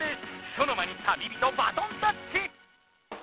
ショノマに旅人バトンタッチ！